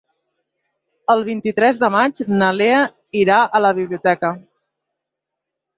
El vint-i-tres de maig na Lea irà a la biblioteca.